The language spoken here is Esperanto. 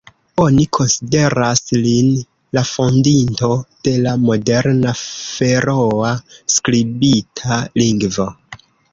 Oni konsideras lin la fondinto de la moderna feroa skribita lingvo.